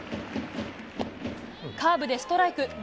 カーブでストライク。